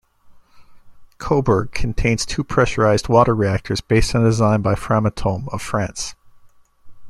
Koeberg contains two pressurised water reactors based on a design by Framatome of France.